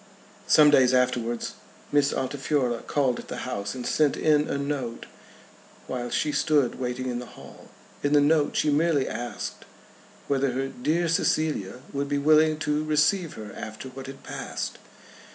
Some days afterwards Miss Altifiorla called at the house, and sent in a note while she stood waiting in the hall. In the note she merely asked whether her "dear Cecilia" would be willing to receive her after what had passed.